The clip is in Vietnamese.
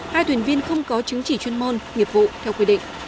hai thuyền viên không có chứng chỉ chuyên môn nghiệp vụ theo quy định